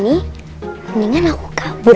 mendingan aku kabur